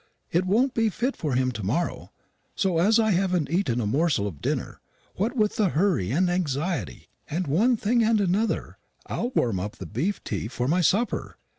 It won't be fit for him to morrow, so as I haven't eaten a morsel of dinner, what with the hurry and anxiety and one thing and another, I'll warm up the beef tea for my supper.